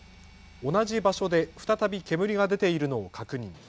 同じ場所で再び煙が出ているのを確認。